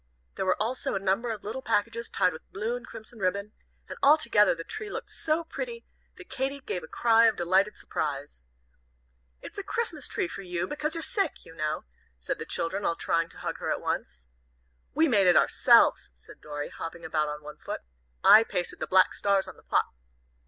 There were also a number of little packages tied with blue and crimson ribbon, and altogether the tree looked so pretty, that Katy gave a cry of delighted surprise. "It's a Christmas tree for you, because you're sick, you know!" said the children, all trying to hug her at once. "We made it ourselves," said Dorry, hopping about on one foot; "I pasted the black stars on the pot."